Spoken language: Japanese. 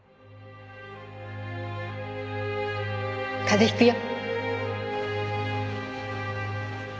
風邪引くよ。